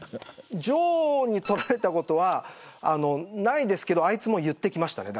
城に取られたことはないですけどあいつも言ってきましたね。